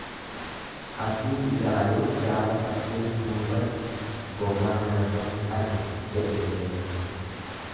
Asii ilaalee gaara saddeet duubatti gogaa manarratti arge jedhe bineensi.